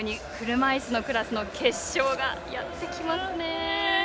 車いすのクラスの決勝がやってきますね。